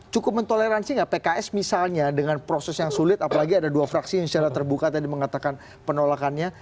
cukup mentoleransi nggak pks misalnya dengan proses yang sulit apalagi ada dua fraksi yang secara terbuka tadi mengatakan penolakannya